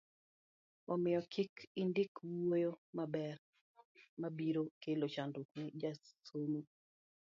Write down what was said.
omiyo kik indik wuoyo mabor mabiro kelo chandruok ni jasomo